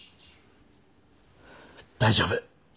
大丈夫。